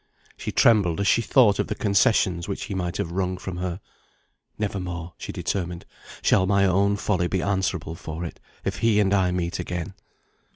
She trembled as she thought of the concessions which he might have wrung from her. "Never more," she determined, "shall my own folly be answerable for it, if he and I meet again."